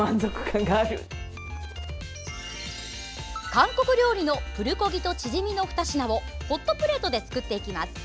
韓国料理のプルコギとチヂミの２品をホットプレートで作っていきます。